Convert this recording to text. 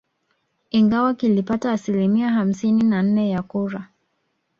Ingawa kilipata asilimia hamsini na nne ya kura